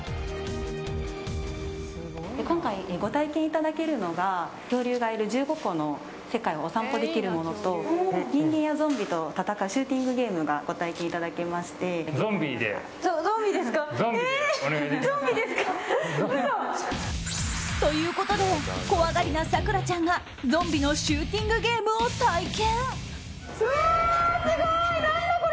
今回、ご体験いただけるのが恐竜がいる１５個の世界をお散歩できるものと人間やゾンビと戦うシューティングゲームがご体験いただけまして。ということで怖がりな咲楽ちゃんがゾンビのシューティングゲームを体験。